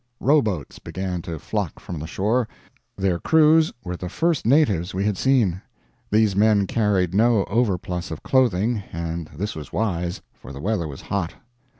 Row boats began to flock from the shore; their crews were the first natives we had seen. These men carried no overplus of clothing, and this was wise, for the weather was hot.